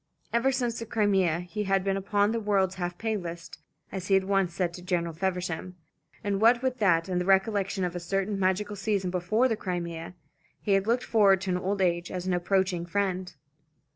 Ever since the Crimea he had been upon the world's half pay list, as he had once said to General Feversham, and what with that and the recollection of a certain magical season before the Crimea, he had looked forward to old age as an approaching friend.